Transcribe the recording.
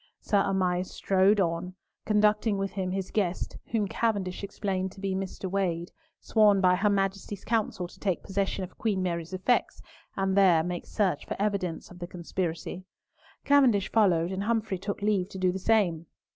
Sir Annas strode on, conducting with him his guest, whom Cavendish explained to be Mr. Wade, sworn by her Majesty's Council to take possession of Queen Mary's effects, and there make search for evidence of the conspiracy. Cavendish followed, and Humfrey took leave to do the same.